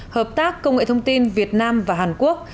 hợp tác việt nam và hàn quốc